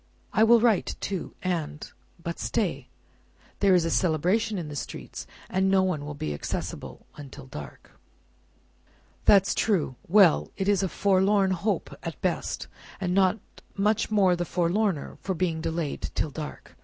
I will write too, and But stay! There is a Celebration in the streets, and no one will be accessible until dark." "That's true. Well! It is a forlorn hope at the best, and not much the forlorner for being delayed till dark.